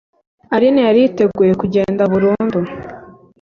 Aline Yari yiteguye kugenda burundu.